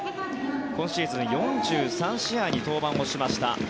今シーズン４３試合に登板しました。